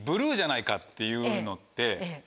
って言うのって。